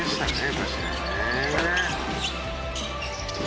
確かにね」